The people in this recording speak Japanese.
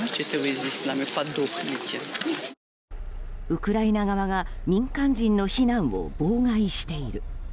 ウクライナ側が民間人の避難を妨害している。